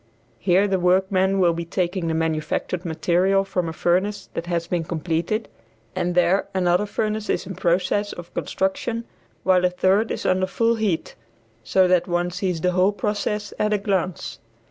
Here the workmen will be taking the manufactured material from a furnace that has been completed, and there another furnace is in process of construction, while a third is under full heat, so that one sees the whole process at a glance.